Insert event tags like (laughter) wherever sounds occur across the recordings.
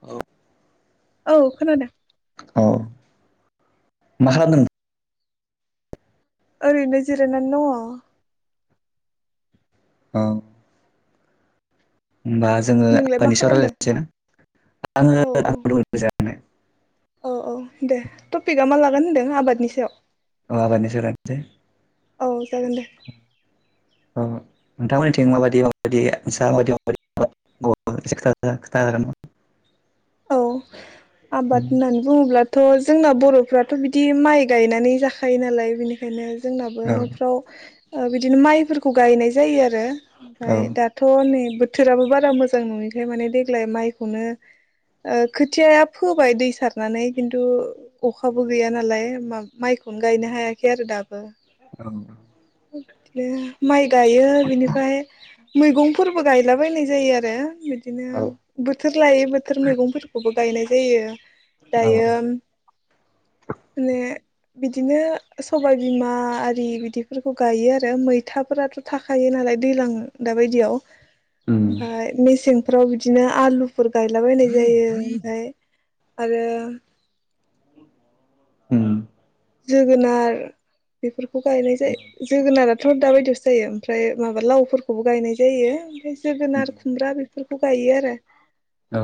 औ औ खोनादों औ मा खालामदों ओरैनो जिरायनानै दङ औ होमबा जोङो (unintelligible) नोंलाय मा सायाव खालामदों रायलायसैना औ आङो औ आंबो (unintelligible) औ औ दे टपिकआ मा लागोन होनदों आबादनि सायाव अ आबादनि सायाव (unintelligible) औ जागोन दे औ नोंथांमोननिथिं माबायदि माबायदि (unintelligible) औ आबाद होननानै बुङोब्ला थ' जोंना बर'फ्राथ' बिदि माइ गायनानै जाखायो नालाय बिनिखायनो जोंनाबो औ न'फ्राव बिदिनो माइफोरखौ गायनाय जायो आरो औ ओमफ्राय दाथ' नै बो बोथोराबो बारा मोजां नङयिखाय माने देग्लाय माइखौनो खोथियाया फोबाय दै सारनानै खिन्थु अखाबो गैया नालाय माइखौनो गायनो हायाखै आरो दाबो औ औ (unintelligible) माइ गायो बिनिफ्राय मैगंफोरबो गायलाबायनाय जायो आरो। बिदिनो औ बोथोर लायै बोथोर मैगं बो गायनाय जायो। औ औ दायो माने बिदिनो सबायबिमा आरि बिदिफोरखौ गायो आरो मैथाफोराथ' थाखायो नालाय दैलां दाबायदियाव। उम ओमफ्राय मेसें फ्राव बिदिनो आलुफोर गायलाबायनाय जायो ओमफाय आरो उम। जोगोनार बेफोरखौ गायनाय जायो जोगोनाराथ' दाबायदियावसो जायो ओमफ्राय माबा लावफोरखौबो गायनाय जायो ओमफ्राय जोगोनार खुमब्रा बे फोरखौ गायो आरो। औ।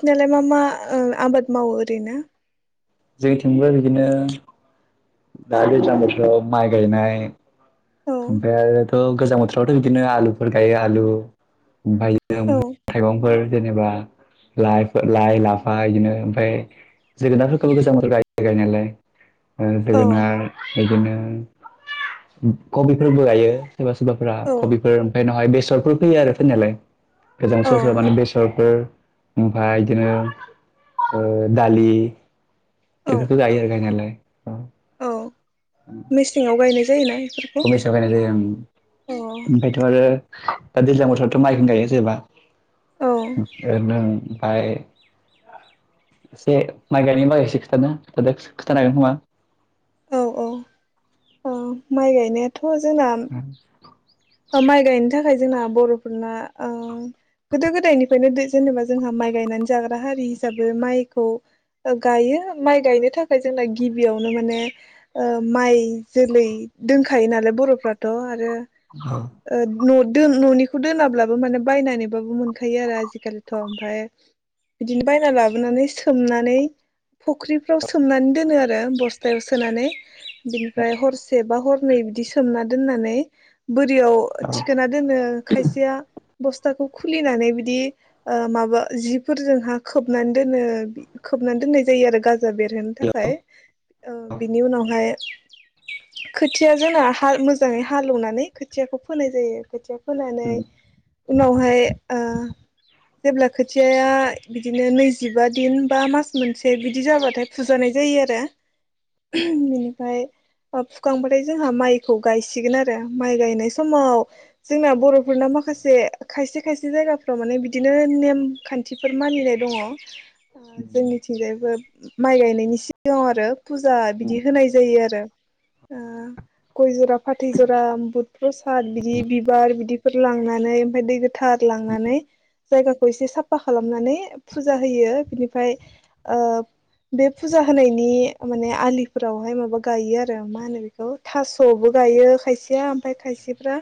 सिनालाय मा मा ओ आबाद मावो ओरैनो? जोंनिथिंबो बिदिनो दा दैज्लां बोथोराव माइ गायनाय औ ओमफ्राय आरोथ' गोजां बोथोरावथ' बिदिनो आलुफोर गायो आलु ओमफाय (unintelligible) मैगं औ थाइगंफोर। जेनेबा लाइफो लाइ, लाफा इदिनो ओमफाय जोगोनारफोरखौबो गोजां बोथोराव गायो गायनायालाय। ओ औ जोगोनार बिदिनो (unintelligible) कबिफोरबो गायो। सोरबा सोरबाफोरा औ कबिफोर ओमफाय उनावहाय बेस सरफोर फोयो आरो फोनायालाय। गोजां सोरबा सोरबा माने औ बेसरफोर। ओमफाय इदिनो ओ दालि औ बेफोरखो गायो आरो गायनायालाय औ। औ। मेसेंआव गायनाय जायोना बेफोरखौ खमायसा बायनाय जायो ओं अ ओमफायथ' आरो दा दैज्लां बोथोरावथ' माइखोनो गायो जेबा औ ओ नों आइ एसे माइ गायनायनि बागै एसे खिथादों खिथादो, खोथानो हागोन खोमा? औ औ अह माइ गायनायाथ' थ' जोंना माइ गायनो थाखाय जोंना बर'फोरना ओ गोदो गोदायनिफ्रायनो दै जेनेबा जोंहा माइ गायनानै जाग्रा हारि हिसाबै माइखौ गायो माइ गायनो थाखाय जोंना गिबियावनो माने ओ माइ जोलै दोनखायो नालाय बर'फ्राथ' आर (unintelligible) ओ न'दों-न'निखौ दोनाब्लाबो माने बायनानैबाबो मोनखायो आरो आजिखालिथ' ओमफ्राय बिदिनो बायना लाबोनानै सोमनानै फुख्रिफ्राव सोमनानै दोनो आरो बस टायाव सोनानै बिनिफ्राय हरसे बा हरनै बिदि सोमना दोननानै (unintelligible) रियाव थिखोना दोनो खायसेया बस्थाखौ खुलिनानै बिदि ओ माबा जिफोरजोंहा खोबनानै दोनो खोबनानै दोननाय जायो आरो गाजा बेरहोनो थाखाय अ बिनि उनावहाय खोथिया जोंना हाल मोजाङै हालेवनानै खोथियाखौ फोनाय जायो खोथिया फोनानै उनावहाय ओ जेब्ला खोथियाया बिदिनो नैजिबा दिन बा मास मोनसे बिदि जाबाथाय फुजानाय जायो आरो। (unintelligible) फाय अ फुखांबाथाय जोंहा माइखौ गायसिगोन आरो। माइ गायनाय समाव जोंना बर'फोरना माखासे खायसे खायसे जायगाफ्राव माने बिदिनो नेम खान्थिफोर मानिनाय दङ। जोंनिथिंजायबो। माइ गायनायनि सिगां (inaudible) आरो। फुजा बिदि होनाय जायो आरो। ओ गय जरा फाथै ज रा बुध प्रसाद बिदि बिबार बिदिफोर लांनानै ओमफ्राय दै गो थार लांनानै जायगा खौ इसे साफा खालामनानै फुजा होयो बिनिफाय ओ बे फुजा होनायनि माने आलिफोरावहाय माबा गायो आरो माहोनो बेखौ थास'बो गायो खाय सेया ओमफाय खायसेफ्रा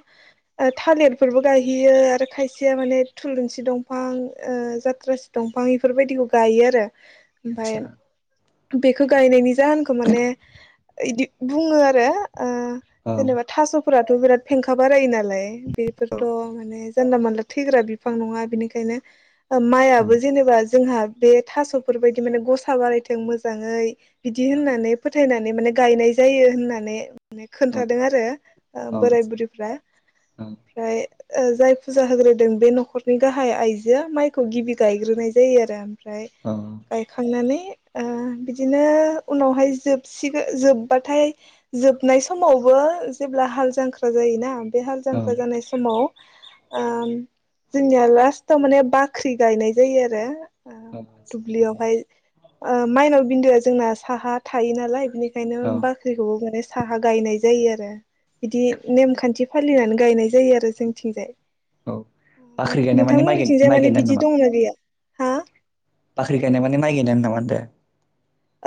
ओ थालिरफोरबो गायहैयो। खायसेया माने थुलुसि दंफां ओ जाथ्रासि दंफां इफोरबायदिखौ गायो आरो। ओमफाय बे गायनायनि जाहोनखौ माने इदि बुङो आरो। ओ जेनेबा थासफोराथ बिराद फेंखा बारायो नालाय। बेफोरथ माने जानला मोनला थैग्रा बिफां नङा बेनिखायनो माइआबो बाख्रि जेनेबा जोंहा बे थासफोरबायदि माने गसा बारायथों मोजाङै। बिदि होननानै फोथायनानै माने गायनाय जायो होननानै माने खोन्थादों आरो। ओ बोराय बुरैफ्रा ओमफ्राय ओ जाय फुजा होग्रोदों बे नखरनि गाहाय आइजोआ माइखौ गिबि गायग्रोनाय जायो आरो ओमफ्राय गायखांनानै ओ बिदिनो उनावहाय जोबसिगो जोबबाथाय जोबनाय समावबो जेब्ला हाल जांख्रा जायोना बे हाल जांख्रा जानाय समाव ओ जोंनिया लास्टाव माने बाख्रि गायनाय जायो आरो ओ दुब्लिआवहाय ओ माइनाव बिन्दोआ जोंना साहा थायो नालाय बिनि खायनो बाख्रिखौबो माने साहा गायनाय जायो आरो। बिदि नेम खान्थि फालिनानै गायनाय जायो आरो जोंनिथिंजाय। गायनाय माने माइ गाय नोंथांमोननिथिंजाय माइ माने गायनाय बिदि नामा दंना गैया हा बाख्रि गायनाय माने माइ गायनायानो नामा होनदो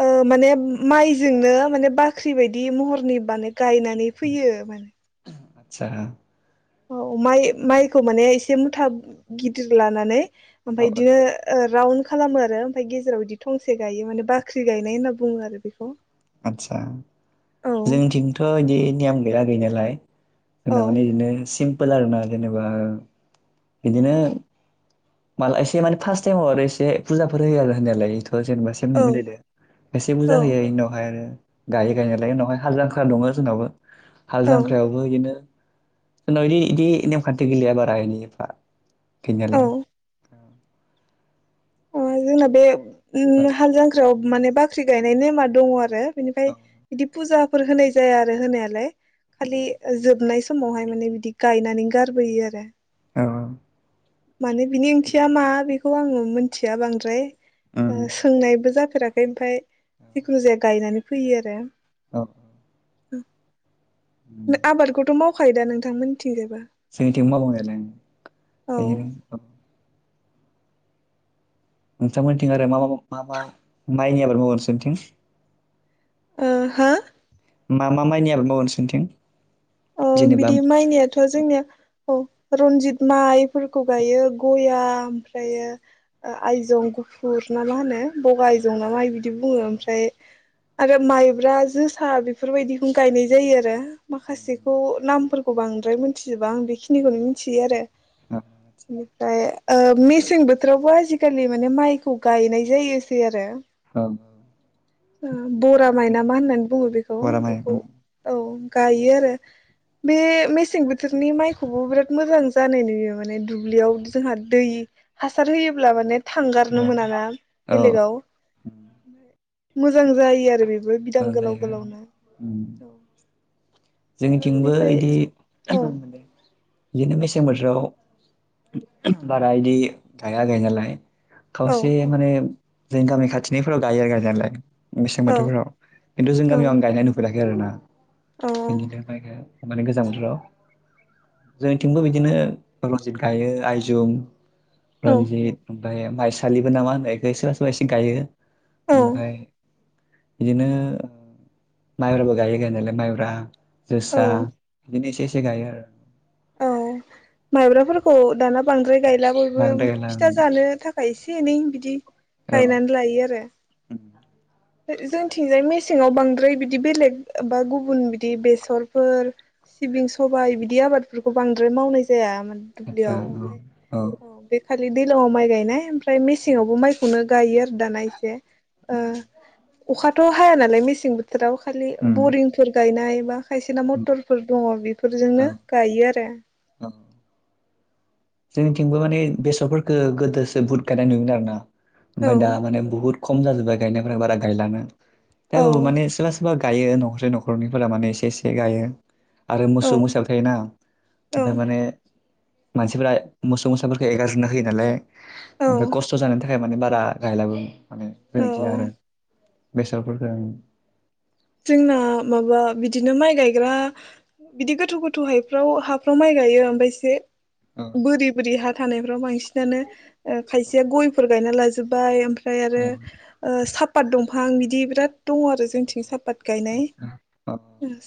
ओ माने माइजोंनो माने बाख्रि बायदि महरनि माने गायनानै फैयो माने आतसा औ अ माइ-माइखौ माने एसे मुथा गिदिर लानानै ओमफाय औ बिदिनो ओ राउन्ड खालामो आरो ओमफ्राय गेजेराव बिदि थंसे गायो माने बाख्रि गायनाय होनना बुङो आरो बेखौ आतसा औ जोंथिंथ बिदि नियम गैया गैनायालाय औ जोंना माने बिदिनो सिम्पोल आरो ना जेनेबा बिदिनो मा एसे माने फार्स्ट टाइमाव आरो एसे फुजाफोर होयो आरो होनायालाय जेनेबा सेम औ मिलायदो एसे औ बुरजा होयो इनि उनाव आरो गायो गायनायालाय उनावहाय हाल जांख्रा दङ जोंनावबो हाल औ जांख‌रायावबो इदिनो जोंनाव इदि-इदि नेम खानथि गैलाया बारा इदि एफा औ गैयालाय अ जोंना बे औ अम हाल जांख्रायाव माने बाख्रि गायनाय नेमा दंङ आरो बिनिफ्राय औ बिदि फुजा फोर होनाय जाया आरो होनायालाय खालि जोबनायस समावहाय माने बिदि गायनानै गारबोयो आरो औ औ माने बिनि ओंथिया मा बिब खौ आङो मिथिया बांद्राय उम ओ सोंनायबो जा फेराखै ओमफ्राय जिखुनु जाया गायनानै फैयो आरो। औ (inaudible) (unintelligible) आबादखौथ' माव खायोदा नोंथांमोन जोंनिथिंबो मावो (unintelligible) नायालाय औ बेनो (unintelligible) नोंथांमोनथिं आरो मा मा मा मा माइनि आबाद मावो नोंसोरनिथिं? ओ हो? मा मा माइनि आबाद मावो नोंसोनिथिं? औ बिदि माइनियाथ' जोंनिया औ रनजित माइ फोरखौ गायो गया ओमफ्रायो ओ आइजं गुफुर ना मा होनो बगा आयजं ना माइ बिदि बु बुङो ओमफ्राय आरो माइब्रा जोसा बेफोरबायदिखौ गायनाय जायो आरो। माखासे नामफोरखौ बांद्राय मिथिजोबा आं बेखिनिखौनो मिथियो आरो बेनिफ्राय ओ मेसें बोथोरावबो आजिखालि माने माइखौ गायनाय जायोसै आरो ओं ओ बरा माय नामा होननानै बुङो बेखौ बरा माइ बेखौ औ औ गायो आरो बे मेसें बोथोरनि माइखौबो बिराद मोजां जानाय नुयो माने दुब्लियाव जोंहा दै हासार होयोब्ला माने थांगारनो मोनाना औ बेलेगाव मोजां जायो आरो बे बे बिदां औ गोलाव जायो गोलावनो औ। थिंबो बेनिफ्राय इदिे औ बिदिनो मेसें बोथोराव बारा इदि गाया गायनायालाय। औ खावसे माने जों गामि खाथिनिफोराव गायो आरो गायनायालाय। मेसें औ बोथोरफोराव। खिन्थु जों औ गामियाव आं गायनाय नुफेराखै खै आरो ना। (unintelligible) औ माने गोजां बोथोराव। जोंनिथिंबो बिदिनो रनजित गायो आइजुम औ रनजित ओमफ्राय माइसालिबो नामा होननाय बेखौ सोरबा सोरबा एसे गायो। औ ओमफाय इदिनो माइब्राबो गायो गायनायालाय माइब्रा जोसा औ बिदिनो एसे एसे एसे गायो आरो। औ माइब्राफोरखौ दाना बांद्राय गायला बयबो बांद्राय गायला फिथा जानो थाख खाय एसे एनै बिदि गायनानै लायो आरो। औ ओ जोंथिंजाय मेस सेङाव बांद्राय बिदि बेलेग बा गुबुन बिदि बेसरफोर सिबिं सबाय बिदि आबादफोरखौ बांद्राय मावनाय जाया मा आतसा दुब्लियाव ओमफ्राय औ औ अ बे खालि दैलांआव माइ गायनाय ओम फ्राय उम मेसेङावबो माइखौनो गायो आरो दाना एसे। ओ अखाथ' हाया नालाय मेसें बो थोराव खालि उम बरिंफोर गायनाय बा खायसेना मथरफोर दङ' औ बेफोरजोंनो गायो आरो। औ जोंनिथिंबो माने बेसरफोरखौ गोदोसो बुद गायनाय नुयोमोन आरो ना। औ ओमफाय दा माने बुहुत खम जाजोब्बाय गायनायफ्रा बारा गायलाना। दा औ माने सोबा सोबा गा गायो न'खरसे न'खरनैफोरा माने एसे एसे गायो। आरो मोसौ औ मोसाबो थायोना औ ओमफाय माने मानसिफ्रा मोसौ मोसाफोरखौ एगारजोबना होयो नालाय ओमफ्राय औ खस्थ' जानो था थाखाय माने बारा गायलाबो माने जोंथि आरो औ बेसरफोरखो जोंना माबा बिदिनो माइ गायग्रा बिदि गोथौ गोथौ हायफ्राव हाफ्राव माइ गायो ओमफाय एसे औ बोरि बोरि हा थानायफ्राव बांसिनानो खायसेया गयफोर गायना लाजोबबाय ओम फाय आरो औ साफ पात दंफां बिदि बिराद दङ आरो जोंथिं साप गायनाय आतसा औ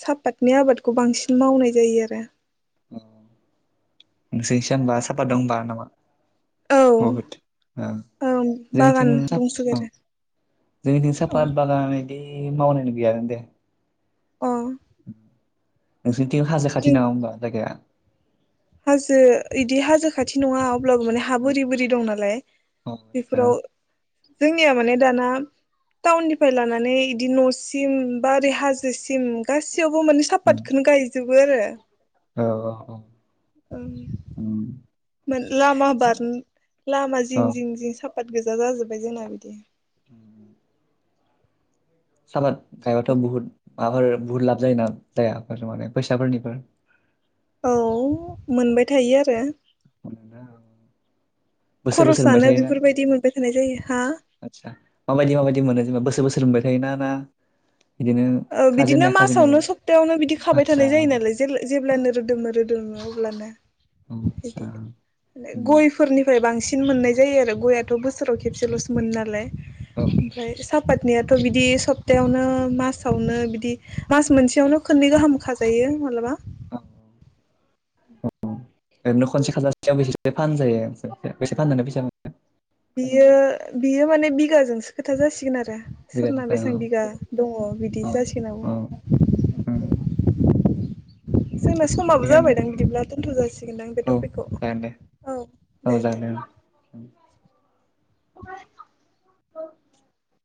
सापात नि आबादखौ बांसिन मावनाय जायो आरो (unintelligible) सापाट दं होमबा नामा? औ बहुद औ जोंनिथिं बागान दंसोगारो जोंनिथिं औ साफात बागान इदि मावनायनो गैयानो दे अ (inaudible) नोंसोरथि हाजो जों खाथि नामा होमबा जायगाया? हाजो बिदि हाजो खाथि नङा अब्लाबो माने हा औ बोरै बोरि दं नालाय औ आदसा बेफोराव जोंनिया माने दाना टाउननिफ्राय लानानै बिदि न'सिम बा ओरै हाजोसिम गास सियावबो माने उम सापातखौनो गायो। जोबो आरो औ औ औ ओ उम मोन लामा बार लामा औ जिं जिं जिं साफाद गोजा जाजोब्बाय जोंना बिदि (inaudible) सालाद गायबाथ' बहुत माबार बुहुत लाब जायो ना जायाफोर माने फैसाफोरनिफोर औ मोनबाय थायो आरो (inaudible) बोसोर बोसोर मोनबाय खरसानो थायोना बेफोरबायदि मोनबाय थानाय जायो हा आदसा माबायदि माबायदि मोनो जेनेबा बोसोर बोसोर (unintelligible) ओ बिदिनो खाजेननाय खाजेननाय मासावनो सप्तायावनो बिदि खाबाय आदसा थानाय जायो नालाय जेला औ जेब्लानो रोदोमो रोदोमो लोङो अब्लानो औ आदसा बिदि उम गयफोरनिफ्राय बांसिन सिन मोननाय जायो आरो गयाथ' बोसोराव खेबसेल'सो मोनो नालाय। औ ओमफ्राय सापात नियाथ' बिदि सप्तायावनो मास सावनो बिदि मास मोनसेयावनो खोननै गाहाम खाजायो मालाबा। औ औ ओरैनो खनसे खाजासेयाव बेसेसो फानजायो बेसे फाननानै फैसा मोनो? बियो बियो माने बिगाजोंसो खोथा जासि यचयचढसासे क्षगोन आरो। ना मोनो बेसेबां बिघा दङ' बिदि जासिगोन आ। औ औ (inaudible) जोंना समाबो थिगानो जाबायदां बिदिब्ला दोनथ' जासिगोनदां बे औ टपिकखौ जागोन दे औ औ दे दे। जागोन (unintelligible)